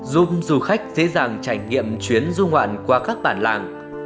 giúp du khách dễ dàng trải nghiệm chuyến du ngoạn qua các bản làng